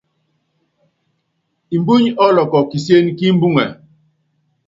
Imbúnyi ɔ́lɔkɔ́ kisíén kí imbuŋe.